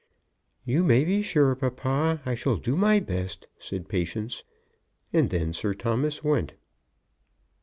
"You may be sure, papa, I shall do my best," said Patience; and then Sir Thomas went.